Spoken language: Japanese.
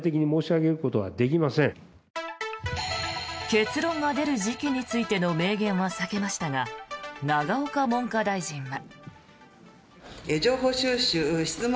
結論が出る時期についての明言は避けましたが永岡文科大臣は。